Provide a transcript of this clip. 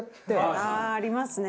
ああーありますね。